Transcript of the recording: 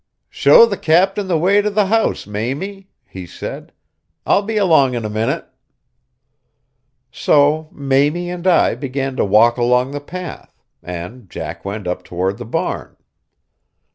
"Show the captain the way to the house, Mamie," he said. "I'll be along in a minute." So Mamie and I began to walk along the path, and Jack went up toward the barn.